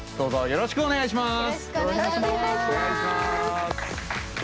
よろしくお願いします。